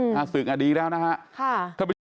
อืมศึกอดีตแล้วนะฮะถ้าเป็นช่วงที่สุด